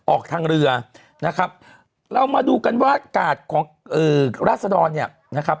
ออกทางเรือนะครับเรามาดูกันว่ากาดของราศดรเนี่ยนะครับ